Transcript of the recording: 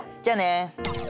じゃあね。